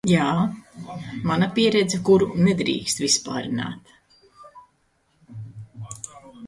Jā, mana pieredze, kuru nedrīkst vispārināt